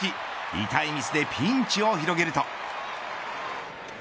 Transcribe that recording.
痛いミスでピンチを広げると。